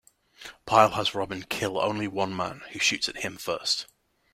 Pyle has Robin kill only one man, who shoots at him first.